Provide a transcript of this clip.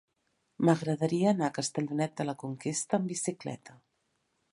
M'agradaria anar a Castellonet de la Conquesta amb bicicleta.